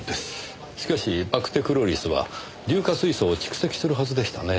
しかしバクテクロリスは硫化水素を蓄積するはずでしたね。